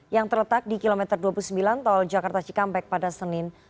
yang terletak di kilometer dua puluh sembilan tol jakarta cikampek pada senin